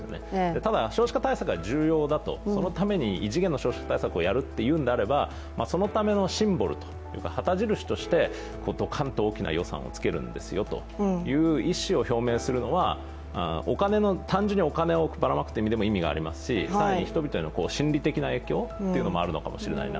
ただ少子化対策は重要だと、そのために異次元の少子化対策をやるというのであればそのためのシンボルというか、旗印としてドカンと大きな予算をつけるんですよという意思を表明するのは単純にお金をばらまくということでも意味がありますし更に人々への心理的な影響もあるのかもしれないな。